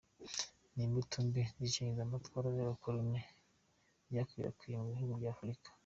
Ni imbuto mbi z’icengezamatwara ry’abakoloni ryakwirakwijwe mu bihugu bya Afurika.